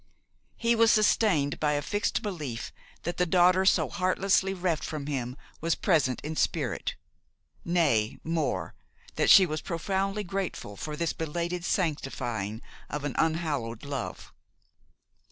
He was sustained by a fixed belief that the daughter so heartlessly reft from him was present in spirit, nay, more, that she was profoundly grateful for this belated sanctifying of an unhallowed love.